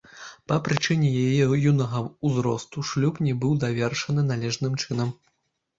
Па прычыне яе юнага ўзросту шлюб не быў давершаны належным чынам.